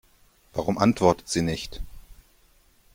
Warum antwortet sie nicht?